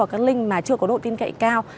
các link mà chưa có độ tin cậy cao